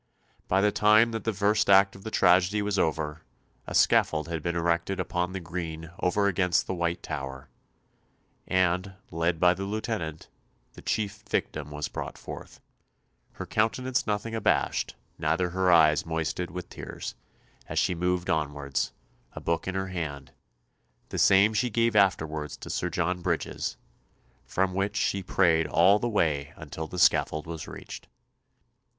By the time that the first act of the tragedy was over, a scaffold had been erected upon the green over against the White Tower, and led by the Lieutenant, the chief victim was brought forth, "her countenance nothing abashed, neither her eyes moisted with tears," as she moved onwards, a book in her hand the same she gave afterwards to Sir John Bridges from which she prayed all the way until the scaffold was reached.